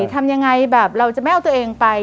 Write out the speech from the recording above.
ทำยังไงแบบเราจะไม่เอาตัวเองไป